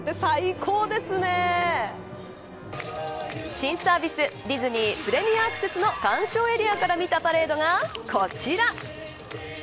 新サービスディズニー・プレミアアクセスの観賞エリアから見たパレードがこちら。